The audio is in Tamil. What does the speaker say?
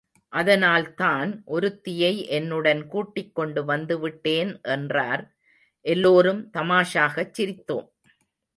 அதனால்தான் ஒருத்தியை என்னுடன் கூட்டிக் கொண்டு வந்துவிட்டேன் என்றார். எல்லோரும் தாமாஷாகச் சிரித்தோம்.